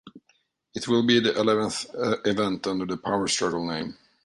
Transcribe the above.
It will be the eleventh event under the Power Struggle name.